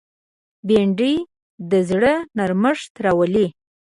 بېنډۍ د زړه نرمښت راولي